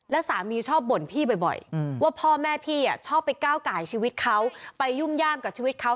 แล้วสามีชอบบ่นพี่บ่อยว่าพ่อแม่พี่ชอบไปก้าวไก่ชีวิตเขาไปยุ่มย่ามกับชีวิตเขา